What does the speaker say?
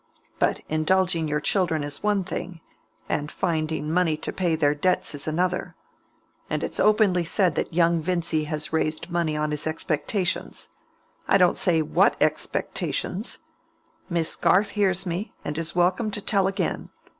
But indulging your children is one thing, and finding money to pay their debts is another. And it's openly said that young Vincy has raised money on his expectations. I don't say what expectations. Miss Garth hears me, and is welcome to tell again.